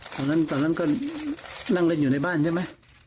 ตอนนั้นตอนนั้นก็นั่งเล่นอยู่ในบ้านใช่ไหม